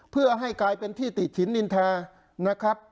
เพื่อให้กลายเป็นที่ติดฉินนินทานะครับ